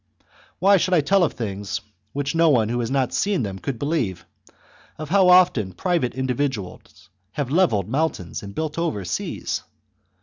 Why should I tell of things chap. which no one who has not seen them could believe, of how often private individuals have levelled mountains and built over seas